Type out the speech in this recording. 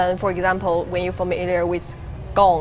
contohnya ketika kamu familiar dengan kong